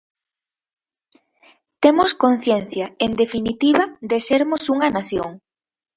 Temos conciencia, en definitiva, de sermos unha nación.